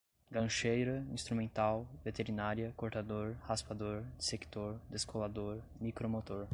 gancheira, instrumental, veterinária, cortador, raspador, dissector, descolador, micromotor